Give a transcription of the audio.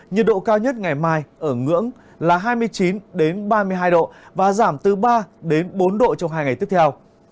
nhiệt độ cao nhất ngày mai ở ngưỡng là hai mươi chín ba mươi hai độ và giảm từ ba đến bốn độ trong hai ngày tiếp theo